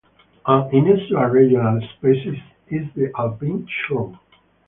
One unusual regional species is the alpine shrew.